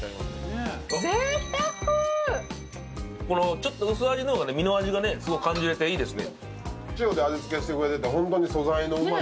ちょっと薄味の方が、身の味を感じられていいですね。